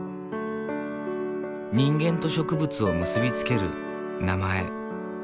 人間と植物を結び付ける名前。